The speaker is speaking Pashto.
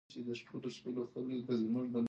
ښوونځي ته تلل د نجونو ذهنی وده ګړندۍ کوي.